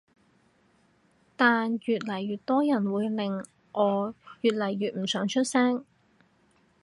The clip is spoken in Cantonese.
但越嚟越多人會令我越嚟越唔想出聲